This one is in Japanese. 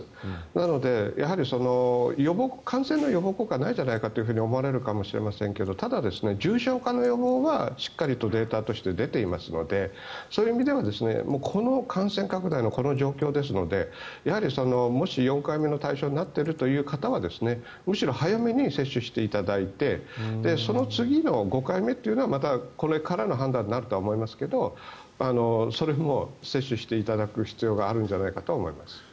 なので、感染の予防効果はないじゃないかと思われるかもしれませんがただ、重症化の予防はしっかりとデータとして出ていますのでそういう意味ではこの感染拡大のこの状況ですのでやはり、もし４回目の対象になっているという方はむしろ早めに接種していただいてその次の５回目というのはまたこれからの判断になるとは思いますけどそれも接種していただく必要があるんじゃないかと思います。